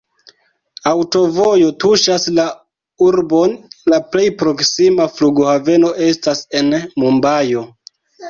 Aŭtovojo tuŝas la urbon, la plej proksima flughaveno estas en Mumbajo.